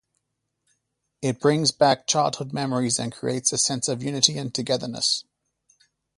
It brings back childhood memories and creates a sense of unity and togetherness.